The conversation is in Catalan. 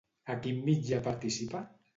A quin mitjà participa?